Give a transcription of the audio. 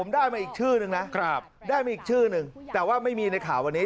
ได้มาอีกชื่อนึงแต่ว่าไม่มีในข่าววันนี้